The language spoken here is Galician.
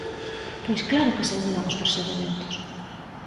¡Pois claro que se mudan os procedementos!